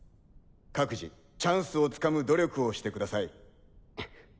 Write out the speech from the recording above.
各自チャンスをつかむ努力をしてください。